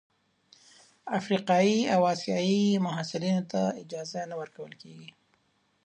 افریقايي او اسیايي محصلینو ته اجازه نه ورکول کیږي.